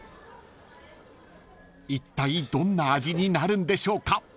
［いったいどんな味になるんでしょうか］